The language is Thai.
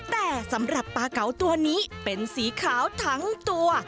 แต่สำหรับปลาเก๋าตัวนี้เป็นสีขาวทั้งตัว